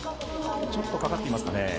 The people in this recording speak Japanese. ちょっとかかっていますかね。